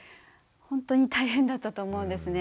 ほんとに大変だったと思うんですね。